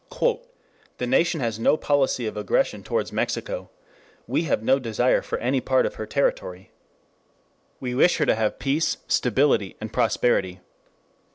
"The nation has no policy of aggression toward Mexico. We have no desire for any part of her territory. We wish her to have peace, stability and prosperity.